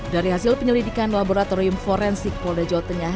dari hasil penyelidikan laboratorium forensik polda jawa tengah